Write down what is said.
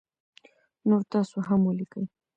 نور تاسو هم ولیکی